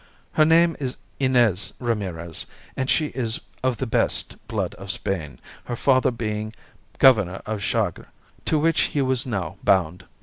Her name is Inez Ramirez, and she is of the best blood of Spain, her father being Governor of Chagre, to which he was now bound.